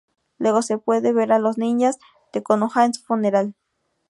Luego se puede ver a los ninjas de Konoha en su funeral.